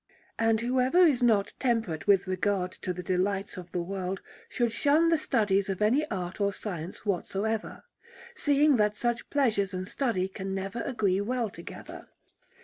And whoever is not temperate with regard to the delights of the world should shun the studies of any art or science whatsoever, seeing that such pleasures and study can never agree well together.